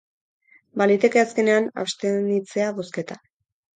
Baliteke azkenean abstenitzea bozketan.